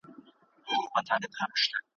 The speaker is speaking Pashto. سرګردان د بل په لاس لکه مېچن یو ,